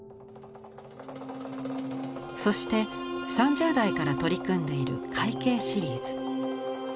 そして３０代から取り組んでいる「海景」シリーズ。